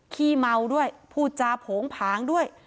ขี้เมาด้วยพูดจาโผงผางด้วย